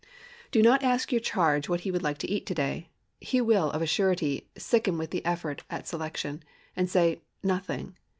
Do not ask your charge what he would like to eat to day. He will, of a surety, sicken with the effort at selection, and say, "Nothing!"